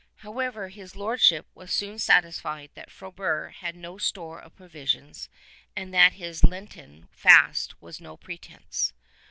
» However, his lordship v^as soon satisfied that Frobert had no store of provisions and that his Lenten fast was no pretense.